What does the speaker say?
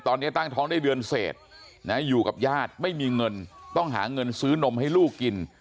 ตอนนี้ตั้งท้องได้เดือนเศษอยู่กับญาติไม่มีเงินต้องหาเงินซื้อนมให้ลูกกิน